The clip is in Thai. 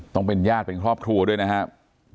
ต้องเป็นญาติเป็นครอบครัวด้วยนะครับ